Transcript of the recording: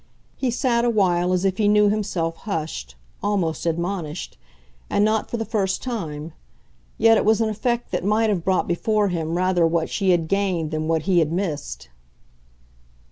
He sat awhile as if he knew himself hushed, almost admonished, and not for the first time; yet it was an effect that might have brought before him rather what she had gained than what he had missed.